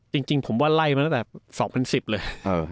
จริงผมว่าไล่มาตั้งแต่๒๐๑๐เลย